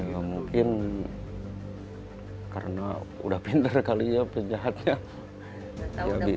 ya mungkin karena udah pinter kali ya penjahatnya